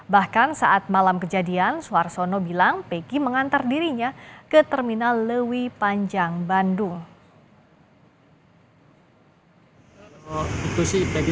bahkan saat malam kejadian suarsono bilang peggy mengantar dirinya ke terminal lewi panjang bandung